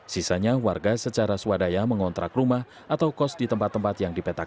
sisanya warga secara swadaya mengontrak rumah atau kos di tempat tempat yang dipetak